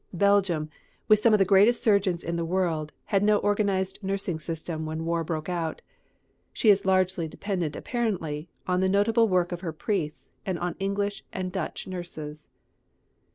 Belgium, with some of the greatest surgeons in the world, had no organised nursing system when war broke out. She is largely dependent apparently on the notable work of her priests, and on English and Dutch nurses.